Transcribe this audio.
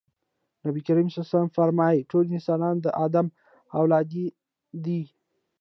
نبي کريم ص وفرمايل ټول انسانان د ادم اولاده دي.